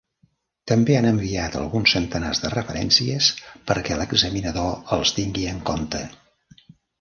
També han enviat alguns centenars de referències perquè l'examinador els tingui en compte.